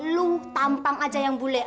lu tampang aja yang bule